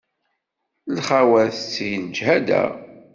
Lxawa tettegg leǧhada.